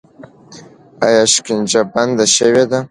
آیا شکنجه بنده شوې ده؟